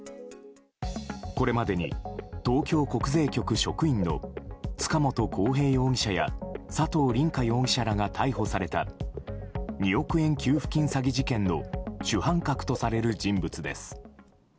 これまでに東京国税局職員の塚本晃平容疑者や佐藤凛果容疑者らが逮捕された２億円給付金詐欺事件の主犯格とされる人物です。